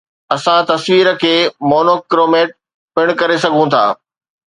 اسان تصوير کي مونوڪروميٽ پڻ ڪري سگهون ٿا